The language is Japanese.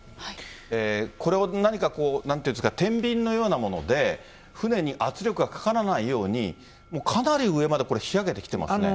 これを何かこう、なんて言うんですか、てんびんのようなもので、船に圧力がかからないように、もうかなり上まで引き揚げてきてますね。